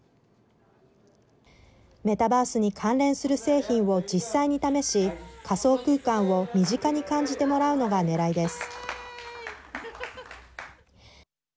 メタバースに関連する製品を実際に試し仮想空間を身近に感じてもらうのがねらいです。